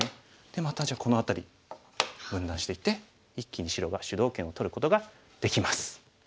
またじゃあこの辺り分断していって一気に白が主導権を取ることができます。